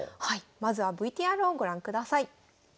まずはＶＴＲをご覧ください。